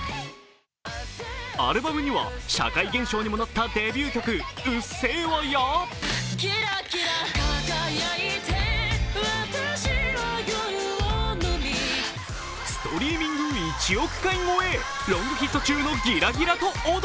アルバムには、社会現象となったデビュー曲「うっせぇわ」やストリーミング１億回超え、ロングヒット中の「ギラギラ」と「踊」。